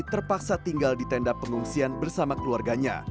terpaksa tinggal di tenda pengungsian bersama keluarganya